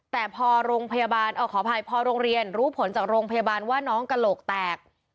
แต่พอโรงพยาบาลขออภัยพอโรงเรียนรู้ผลจากโรงพยาบาลว่าน้องกระโหลกแตก